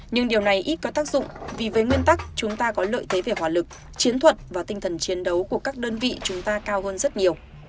nhưng điều này ít có tác dụng vì với nguyên tắc chúng ta có lợi thế về hòa lực chiến thuật và tinh thần chiến đấu của các đơn vị chúng ta cao hơn rất nhiều